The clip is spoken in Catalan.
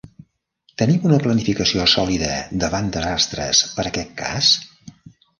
Tenim una planificació sòlida davant desastres per a aquest cas?